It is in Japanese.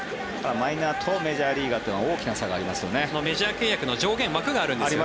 マイナーとメジャーリーガーというのは大きな違いがあるんですよね。